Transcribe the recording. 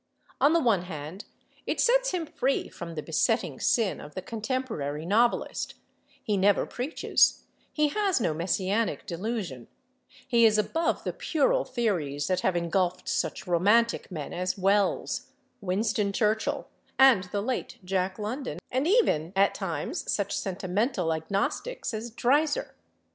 On the one hand it sets him free from the besetting sin of the contemporary novelist: he never preaches, he has no messianic delusion, he is above the puerile theories that have engulfed such romantic men as Wells, Winston Churchill and the late Jack London, and even, at times, such sentimental agnostics as Dreiser.